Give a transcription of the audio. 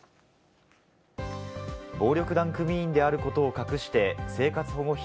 暴力団組員であることを隠して生活保護費